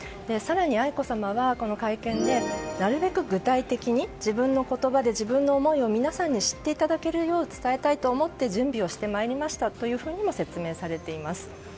更に愛子さまは、この会見でなるべく具体的に自分の言葉で自分の思いを皆さんに知っていただけるよう伝えたいと思って準備をしてまいりましたというふうにも説明されています。